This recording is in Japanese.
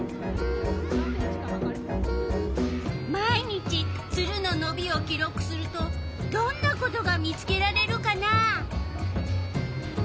毎日ツルののびを記録するとどんなことが見つけられるかな。